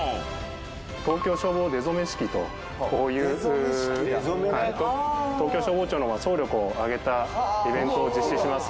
東京消防出初式という東京消防庁の総力を挙げたイベントを実施します。